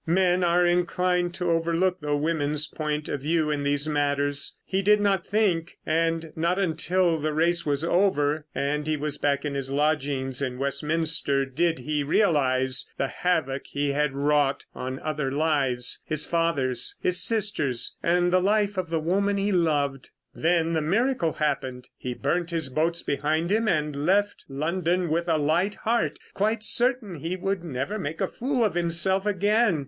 Men are inclined to overlook the women's point of view in these matters. He did not think, and not until the race was over and he was back in his lodgings in Westminster did he realise the havoc he had wrought on other lives—his father's, his sister's, and the life of the woman he loved. Then the miracle happened. He burnt his boats behind him and left London with a light heart, quite certain he would never make a fool of himself again.